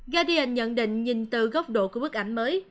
gadian nhận định nhìn từ góc độ của bức ảnh mới